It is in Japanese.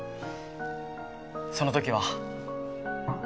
その時は。